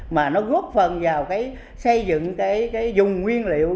mà nó góp phần vào cái xây dựng cái dùng nguyên liệu